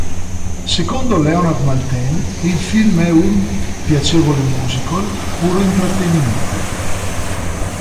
Secondo Leonard Maltin il film è un "piacevole musical, puro intrattenimento".